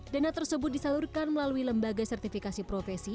dana tersebut disalurkan melalui lembaga sertifikasi profesi